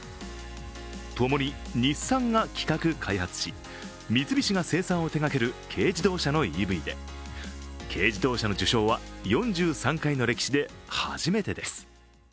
ともに日産が企画・開発し、三菱が生産を手がける軽自動車のＥＶで、軽自動車の受賞は４３回の歴史で初めてです。